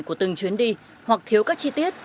của từng chuyến đi hoặc thiếu các chi tiết